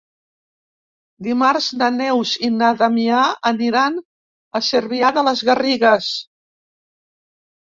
Dimarts na Neus i na Damià aniran a Cervià de les Garrigues.